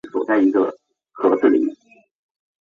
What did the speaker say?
以为妹会理你